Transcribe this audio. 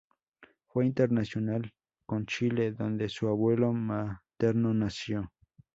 Fue internacional con Chile, donde su abuelo materno nació.